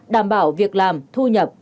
đảm bảo việc làm thu nhập